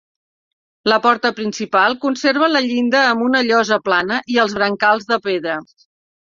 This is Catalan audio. La porta principal conserva la llinda amb una llosa plana i els brancals de pedra.